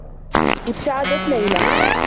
ابتعدت ليلى.